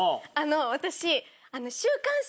私。